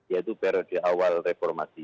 yaitu periode awal reformasi